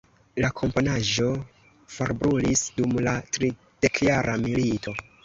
La komponaĵo forbrulis dum la Tridekjara Milito.